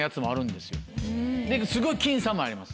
ですごい僅差もあります。